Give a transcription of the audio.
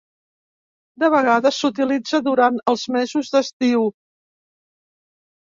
De vegades s'utilitza durant els mesos d'estiu.